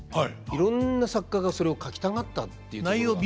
いろんな作家がそれを書きたがったっていうところが。